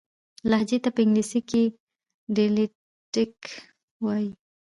لهجې ته په انګلیسي کښي Dialect وایي.